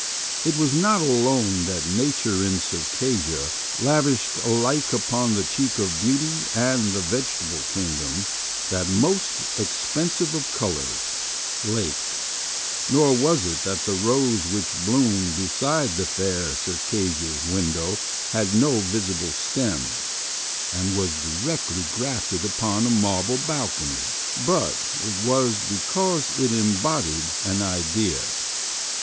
It was not alone that Nature in Circassia lavished alike upon the cheek of beauty and the vegetable kingdom that most expensive of colors, Lake ; nor was it that the rose which bloomed beside the fair Circassian's window had no visible stem, and was directly grafted upon a mar ble balcony; but it was because it embodied an idea.